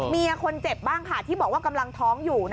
เมียคนเจ็บบ้างค่ะที่บอกว่ากำลังท้องอยู่